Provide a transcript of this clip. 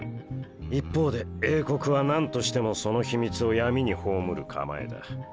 一方で英国は何としてもその秘密を闇に葬る構えだ。